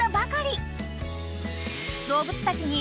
［動物たちに］